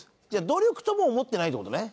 努力とも思ってないって事ね？